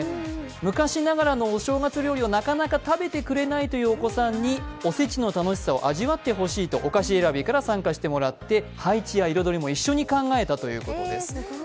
昔ながらのお正月料理をなかなか食べてくれないというお子さんにお節の楽しさを味わってほしいとお菓子選びから参加してもらって配置や彩りも一緒に考えたということです。